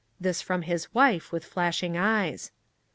This from his wife, with flashing eyes.